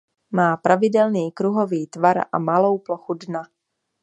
Má pravidelný kruhový tvar a malou plochu dna.